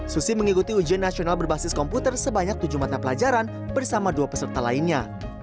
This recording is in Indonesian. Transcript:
susi mengikuti ujian nasional berbasis komputer sebanyak tujuh mata pelajaran bersama dua peserta lainnya